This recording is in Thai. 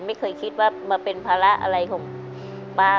ไม่เคยคิดว่ามาเป็นภาระอะไรของป้า